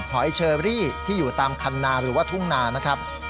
หอยเชอรี่ที่อยู่ตามคันนาหรือว่าทุ่งนานะครับ